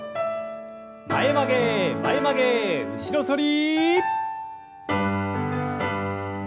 前曲げ前曲げ後ろ反り。